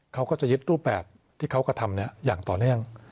เขาก็จะยึดรูปแบบที่เขากระทำอย่างต่อเนื่อง